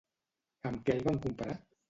Amb què el van comparar?